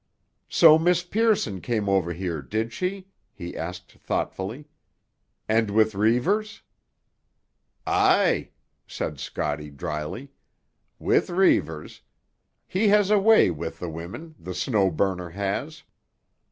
"So Miss Pearson came over here, did she?" he asked thoughtfully. "And with Reivers?" "Aye," said Scotty drily. "With Reivers. He has a way with the women, the Snow Burner has."